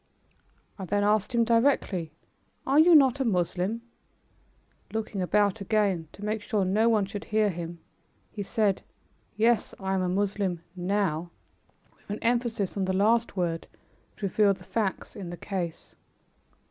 I then asked him directly, "Are you not a Moslem?" Looking about again, to make sure no one should hear him, he said, "Yes, I am a Moslem now," with an emphasis on the last word which revealed the facts in the case.